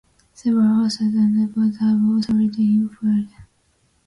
Several authors and poets have also written in Fering.